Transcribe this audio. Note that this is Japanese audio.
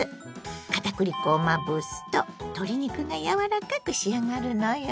片栗粉をまぶすと鶏肉がやわらかく仕上がるのよ。